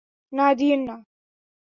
না, দিয়েন না।